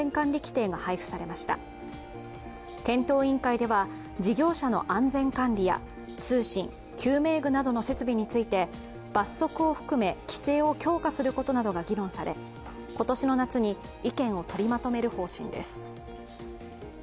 検討委員会では検討委員会では事業者の安全管理や通信・救命具などの設備について罰則を含め規制を強化することなどが議論され今年の夏に意見を取りまとめる方針です。